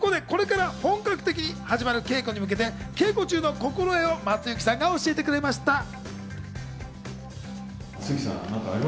これから本格的に始まる稽古に向けて稽古中の心得を松雪さんが教えてくれました。